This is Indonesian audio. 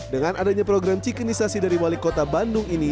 dengan adanya program cikenisasi dari wali kota bandung ini